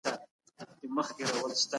نوی کندهار څنګه جوړ سو؟